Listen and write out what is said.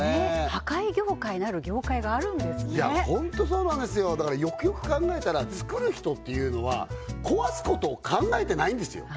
破壊業界なる業界があるんですねいやホントそうなんですよだからよくよく考えたら作る人っていうのは壊すことを考えてないんですよ